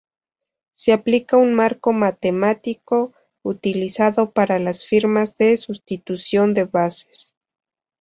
Se aplica un marco matemático utilizado para las firmas de sustitución de bases.